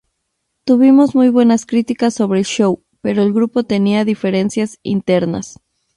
Tuvimos muy buenas críticas sobre el show; pero el grupo tenía diferencias internas.